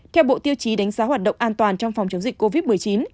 theo bộ tiêu chí đánh giá hoạt động an toàn trong phòng chống dịch covid một mươi chín